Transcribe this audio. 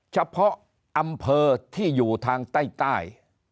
เฉพาะอำเภอที่อยู่ทางใต้